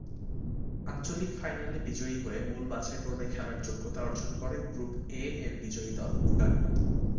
আঞ্চলিক ফাইনালে বিজয়ী হয়ে মূল বাছাইপর্বে খেলার যোগ্যতা অর্জন করে গ্রুপ এ-এর বিজয়ী দল উগান্ডা।